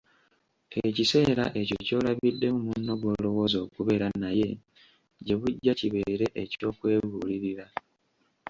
Ekiseera ekyo ky'olabiddemu munno gw'olowooza okubeera naye gye bujja kibeere eky'okwebuulirira.